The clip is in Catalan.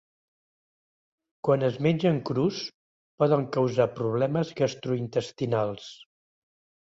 Quan es mengen crus poden causar problemes gastrointestinals.